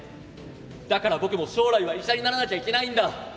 だから僕も将来は医者にならなきゃいけないんだ！